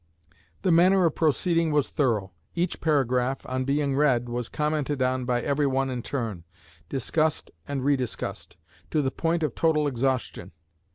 The manner of proceeding was thorough. Each paragraph, on being read, was commented on by every one in turn, discussed and rediscussed, to the point of total exhaustion.